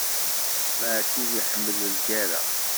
Maɛṭub iḥemmel lgerra.